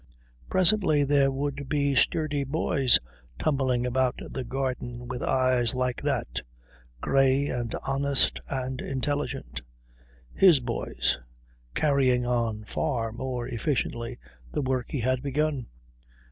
Presently there would be sturdy boys tumbling about the garden with eyes like that, grey and honest and intelligent. His boys. Carrying on, far more efficiently, the work he had begun.